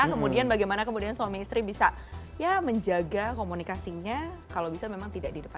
kemudian bagaimana kemudian suami istri bisa ya menjaga komunikasinya kalau bisa memang tidak di depan